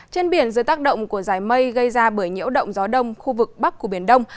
trên biển dưới tác động của giải mây gây ra bởi nhiễu động gió đông khu vực bắc của biển đông